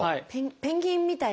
ペンギンみたいな。